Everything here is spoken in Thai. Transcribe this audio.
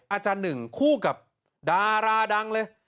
อาจารย์หนึ่งคู่กับดาราดังเลย